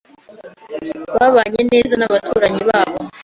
Babanye neza n’abaturanyi babo.